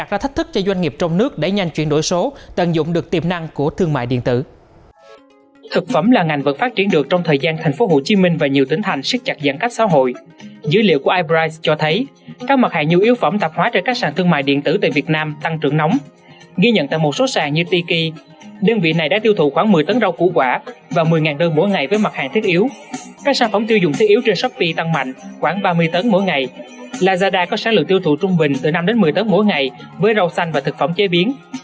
lazada có sản lượng tiêu thụ trung bình từ năm đến một mươi tấn mỗi ngày với rau xanh và thực phẩm chế biến